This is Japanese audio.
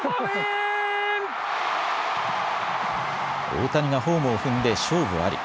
大谷がホームを踏んで勝負あり。